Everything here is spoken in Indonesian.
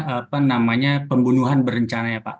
apa namanya pembunuhan berencana ya pak